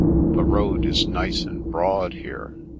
The road is nice and broad here."